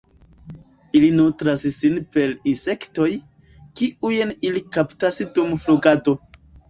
Ili nutras sin per insektoj, kiujn ili kaptas dum flugado.